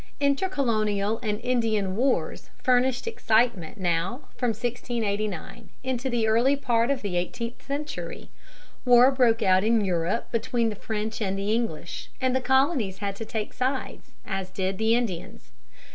Intercolonial and Indian wars furnished excitement now from 1689 into the early part of the eighteenth century. War broke out in Europe between the French and English, and the Colonies had to take sides, as did also the Indians.